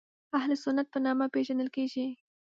اهل سنت په نامه پېژندل کېږي.